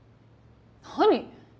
何？